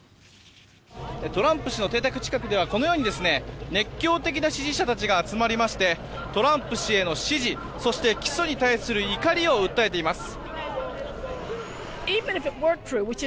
トランプ氏の邸宅近くではこのように熱狂的な支持者たちが集まりましてトランプ氏への支持そして、起訴に対する怒りを訴えています。